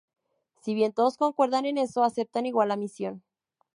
Si bien todos concuerdan en eso, aceptan igual la misión.